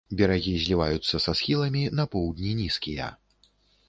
Берагі зліваюцца са схіламі, на поўдні нізкія.